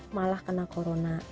malah karena corona